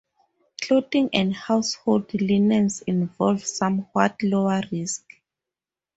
Clothing and household linens involve somewhat lower risks.